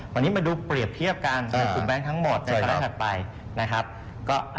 วันนี้ดูเปรียบเทียบกันทุนแบงค์ทั้งหมดในสไลด์ถัดไป